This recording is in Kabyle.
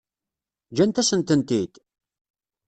Ǧǧant-asen-tent-id?